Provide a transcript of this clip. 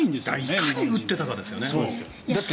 いかに打ってたかですよね。